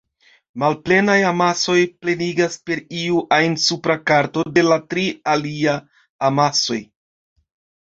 Malplenaj amasoj plenigas per iu ajn supra karto de la tri alia amasoj.